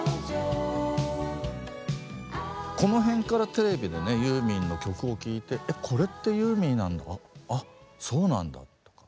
この辺からテレビでねユーミンの曲を聴いてえこれってユーミンなんだあそうなんだとか。